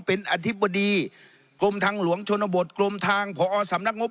เป็นอธิบดีกรมทางหลวงชนบทกรมทางพอสำนักงบ